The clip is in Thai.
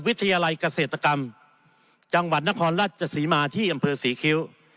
วิทยาลัยเกษตรกรรมจังหวัดนครราชศรีมาที่อำเภอศรีคิ้ว